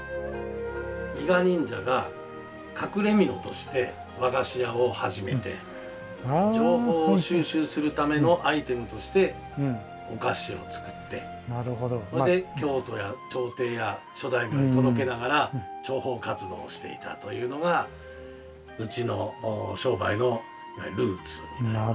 伊賀忍者が隠れみのとして和菓子屋を始めて情報を収集するためのアイテムとしてお菓子を作ってそれで京都や朝廷や諸大名に届けながら諜報活動をしていたというのがうちの商売のルーツになりますね。